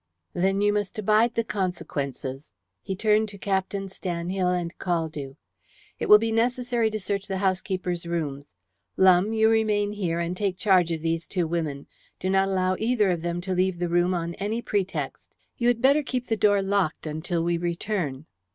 "Then you must abide the consequences." He turned to Captain Stanhill and Caldew. "It will be necessary to search the housekeeper's rooms. Lumbe, you remain here and take charge of these two women. Do not allow either of them to leave the room on any pretext. You had better keep the door locked until we return."